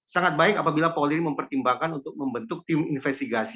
sangat baik apabila polri mempertimbangkan untuk membentuk tim investigasi